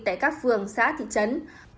tại các phường xã thị trấn